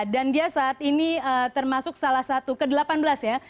dan dia saat ini termasuk salah satu ke delapan belas ya